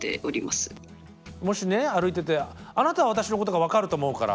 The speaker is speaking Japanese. もしね歩いててあなたは私のことが分かると思うから。